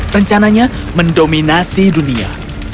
rencananya mendominasi dunia